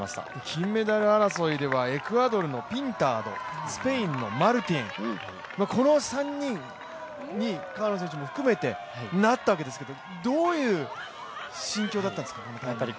金メダル争いではエクアドルのピンタード、スペインのマルティン、この３人に川野選手も含めてなったわけですけれども、どういう心境だったんですか？